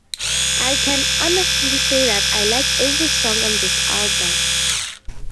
I can honestly say that I like every song on this album.